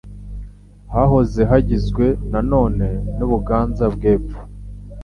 Hahoze hagizwe na none n'u Buganza bw'Epfo